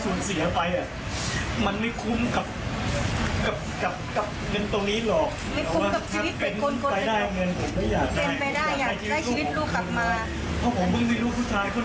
เพราะผมไม่มีลูกผู้ชายคนเดียว